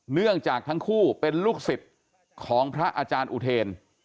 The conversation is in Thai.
เนื่องจากทั้งคู่เป็นลูกศิษย์ของพระอาจารย์อุเทน